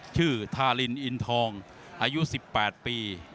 ทารินอินทองอายุ๑๘ปี